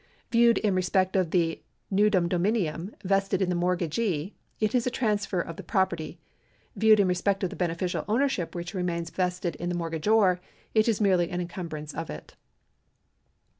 Viewed in respect of the wudum dominium vested in the mortgagee, it is a transfer of the property ; viewed in respect of the beneficial ownership which remains vested in the mortgagor, it is merely an encumbrance of it.